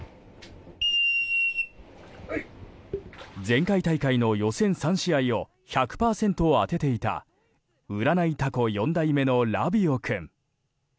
前回大会の予選３試合を１００％当てていた占いタコ４代目のラビオ君。